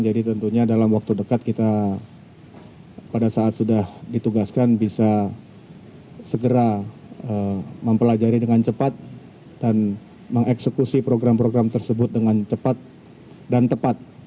jadi tentunya dalam waktu dekat kita pada saat sudah ditugaskan bisa segera mempelajari dengan cepat dan mengeksekusi program program tersebut dengan cepat dan tepat